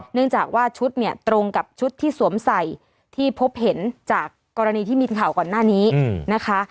เนื่องจากว่าชุดเนี่ยตรงกับชุดที่สวมใส่ที่พบเห็นจากกรณีที่มีข่าวก่อนหน้านี้นะคะ